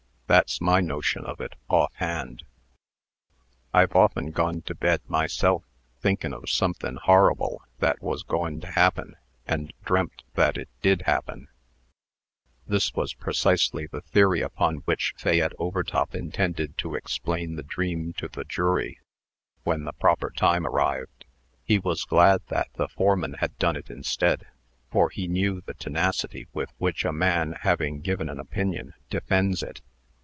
That's my notion of it, off hand. I've often gone to bed, myself, thinkin' of somethin' horrible that was goin' to happen, and dreamt that it did happen." [Illustration: THE INQUEST. MARCUS SPRINGS TO HIS FEET.] This was precisely the theory upon which Fayette Overtop intended to explain the dream to the jury when the proper time arrived. He was glad that the foreman had done it instead; for he knew the tenacity with which a man, having given an opinion, defends it.